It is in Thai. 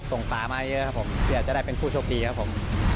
ฝามาเยอะครับผมอยากจะได้เป็นผู้โชคดีครับผม